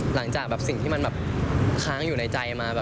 หลังจากเกี่ยวข้างอยู่ในใจมา